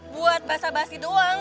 buat basa basi doang